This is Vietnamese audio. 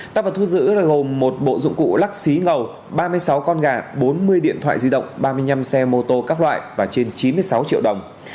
tăng vật thu giữ là gồm một bộ dụng cụ lắc xí ngầu ba mươi sáu con gà bốn mươi điện thoại di động ba mươi năm xe mô tô các loại và trên chín mươi sáu triệu đồng